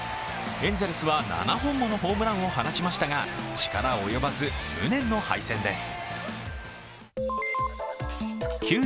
エンゼルスは７本ものホームランを放ちましたが、力及ばず無念の敗戦です。